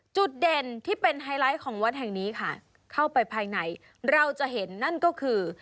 จุดเด่นที่เป็นไฮไลท์ของวัดแห่งนี้ค่ะเข้าไปภายในเราจะเห็นนั่นก็คือ